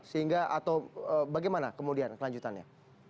sehingga atau bagaimana kemudian kelanjutannya